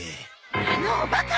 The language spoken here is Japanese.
あのおバカ！